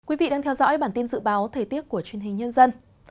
quý vị đang theo dõi bản tin dự báo thời tiết của truyền hình nhân dân